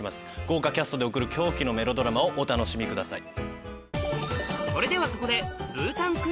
豪華キャストで送る狂気のメロドラマをお楽しみください。